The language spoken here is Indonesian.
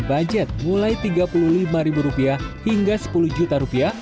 budget mulai tiga puluh lima ribu rupiah hingga sepuluh juta rupiah